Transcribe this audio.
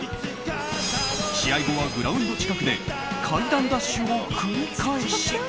試合後はグラウンド近くで階段ダッシュを繰り返し